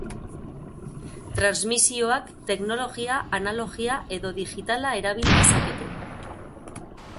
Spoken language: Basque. Transmisioak teknologia analogia edo digitala erabil dezakete.